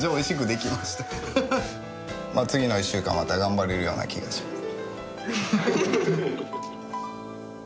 次の１週間また頑張れるような気がします。